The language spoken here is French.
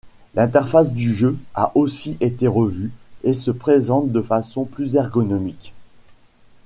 L'interface du jeu a aussi été revue et se présente de façon plus ergonomique.